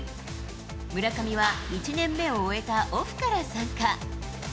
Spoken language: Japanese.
村上は１年目を終えたオフから参加。